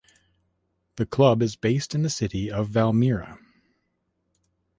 The club is based in the city of Valmiera.